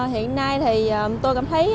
hiện nay thì tôi cảm thấy